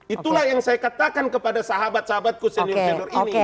itulah yang saya katakan kepada sahabat sahabatku senior senior ini